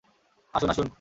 আসুন, আসুন।